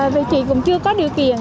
vì chị cũng chưa có điều kiện